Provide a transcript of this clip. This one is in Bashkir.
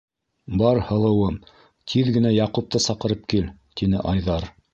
- Бар, һылыуым, тиҙ генә Яҡупты саҡырып кил, - тине Айҙар.